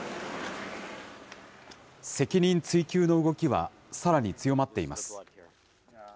責任追及の動きはさらに強まっています。